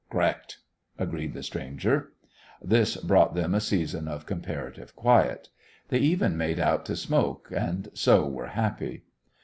"C'rrect," agreed the stranger. This brought them a season of comparative quiet. They even made out to smoke, and so were happy.